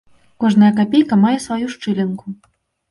Кожная капейка мае сваю шчылінку.